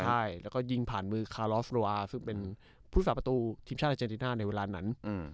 ใช่แล้วก็ยิงผ่านมือคารอสโลาซึ่งเป็นผู้สาปตูทีมช่างอาจารย์นี่น่าในเวลานั้น